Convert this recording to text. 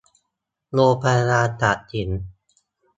โรงพยาบาลตากสิน